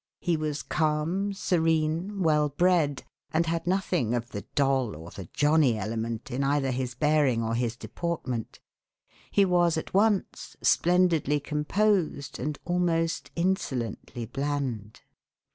He was calm, serene, well bred, and had nothing of the "Doll" or the "Johnny" element in either his bearing or his deportment. He was at once splendidly composed and almost insolently bland.